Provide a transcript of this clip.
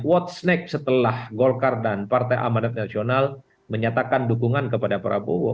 what's next setelah golkar dan partai amanat nasional menyatakan dukungan kepada prabowo